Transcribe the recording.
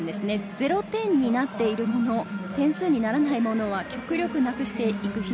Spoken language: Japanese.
０点になっているもの、点数にならないものは極力なくしていく必